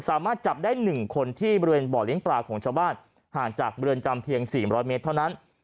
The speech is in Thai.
สามารถจับได้๑คนที่บริเวณบ่อเลี้ยงปลาของชาวบ้านห่างจากเรือนจำเพียง๔๐๐เมตรเท่านั้น